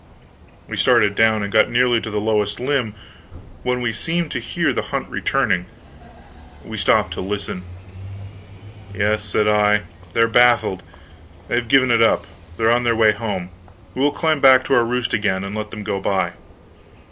We started down, and got nearly to the lowest limb, when we seemed to hear the hunt returning. We stopped to listen. "Yes," said I, "they're baffled, they've given it up, they're on their way home. We will climb back to our roost again, and let them go by."